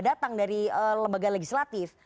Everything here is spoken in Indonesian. datang dari lembaga legislatif